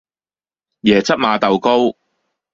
椰汁馬豆糕